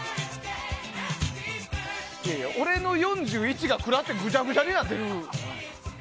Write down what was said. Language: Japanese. いやいや、俺の４１が食らってぐちゃぐちゃになってる。